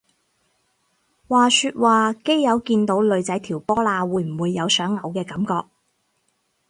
話說話基友見到女仔條波罅會唔會有想嘔嘅感覺？